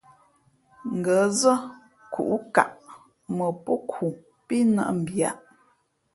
Ngα̌ zά kūʼkaʼ mα pō khu pí nάʼ mbiyāʼ.